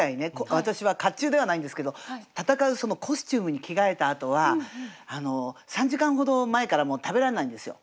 私は甲冑ではないんですけど戦うコスチュームに着替えたあとは３時間ほど前からもう食べられないんですよ。